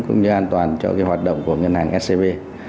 cả hệ thống cũng như an toàn cho hoạt động của ngân hàng scb